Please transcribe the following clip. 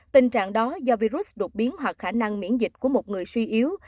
tình trạng đó do virus đột biến hoặc khả năng miễn dịch của một người suy yếu